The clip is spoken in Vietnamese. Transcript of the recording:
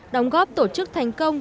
đóng góp tổ chức thành công